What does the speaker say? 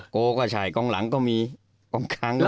โกก็ใช่กองหลังก็มีกองค้างด้วย